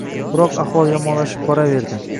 Biroq ahvol yomonlashib boraverdi